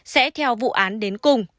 sẽ theo vụ án đến cùng